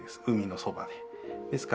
海のそばで。